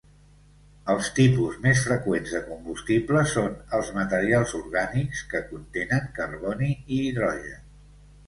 Els tipus més freqüents de combustible són els materials orgànics que contenen carboni i hidrogen.